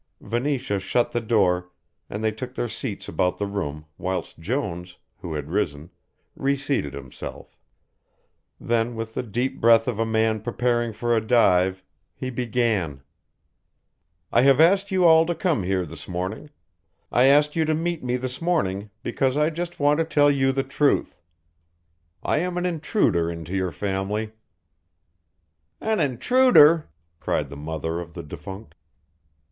Venetia shut the door and they took their seats about the room whilst Jones, who had risen, reseated himself. Then, with the deep breath of a man preparing for a dive, he began: "I have asked you all to come here this morning I asked you to meet me this morning because I just want to tell you the truth. I am an intruder into your family " "An intruder," cried the mother of the defunct.